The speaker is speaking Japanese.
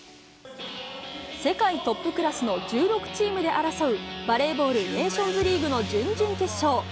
世界トップクラスの１６チームで争う、バレーボール、ネーションズリーグの準々決勝。